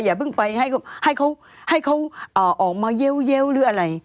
อย่าเพิ่งไปให้เขาออกมาเย้วหรืออะไร